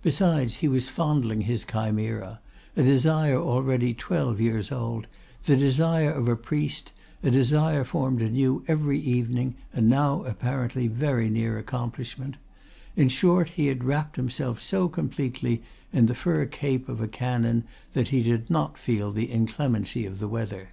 Besides, he was fondling his chimera, a desire already twelve years old, the desire of a priest, a desire formed anew every evening and now, apparently, very near accomplishment; in short, he had wrapped himself so completely in the fur cape of a canon that he did not feel the inclemency of the weather.